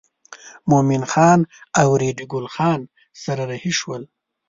مومن خان او ریډي ګل خان سره رهي شول.